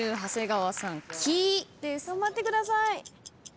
・頑張ってください。